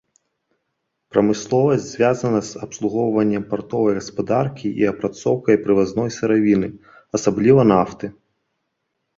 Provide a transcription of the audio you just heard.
Прамысловасць звязана з абслугоўваннем партовай гаспадаркі і апрацоўкай прывазной сыравіны, асабліва нафты.